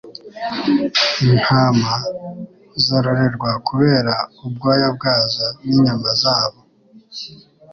Intama zororerwa kubera ubwoya bwazo ninyama zabo